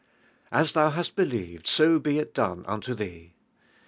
"As thou haM believed so be it done unto thee."